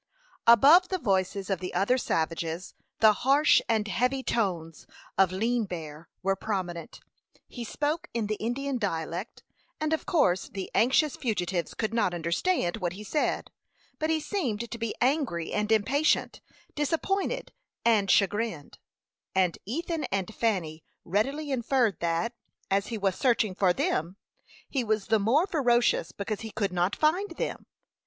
Above the voices of the other savages, the harsh and heavy tones of Lean Bear were prominent. He spoke in the Indian dialect, and of course the anxious fugitives could not understand what he said; but he seemed to be angry and impatient, disappointed and chagrined; and Ethan and Fanny readily inferred that, as he was searching for them, he was the more ferocious because he could not find them.